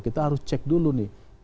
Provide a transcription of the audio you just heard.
kita harus cek dulu nih